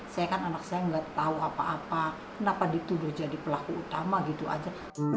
saya kan anak saya nggak tahu apa apa kenapa dituduh jadi pelaku utama gitu aja